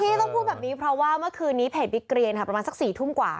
ที่ต้องพูดแบบนี้เพราะว่าเมื่อคืนนี้เพจบิ๊กเกรียนค่ะประมาณสัก๔ทุ่มกว่า